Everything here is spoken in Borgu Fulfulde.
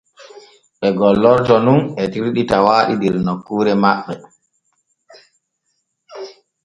Ɓe gollorto nun etirɗi tawaaɗi der nokkuure maɓɓe.